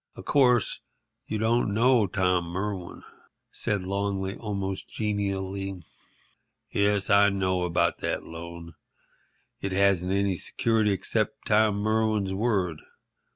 "Of course, you don't know Tom Merwin," said Longley, almost genially. "Yes, I know about that loan. It hasn't any security except Tom Merwin's word.